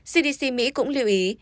cdc mỹ cũng lưu ý